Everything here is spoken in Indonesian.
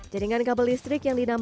jaringan kabel listrik yang didapatkan